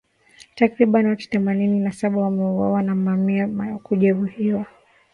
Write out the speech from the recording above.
Takribani watu themanini na saba wameuawa na mamia kujeruhiwa.